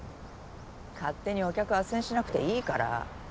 勝手にお客あっせんしなくていいから。